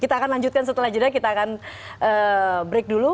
kita akan lanjutkan setelah jeda kita akan break dulu